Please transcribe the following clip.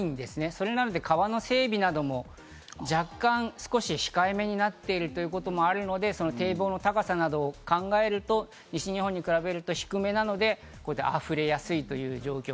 そうなると川の整備なども若干少し控えめになっているということもあるので、堤防の高さなどを考えると、西日本に比べると低めなので、溢れやすいという状況。